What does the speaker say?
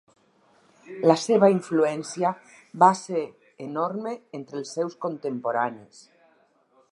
La seva influència va ser enorme entre els seus contemporanis.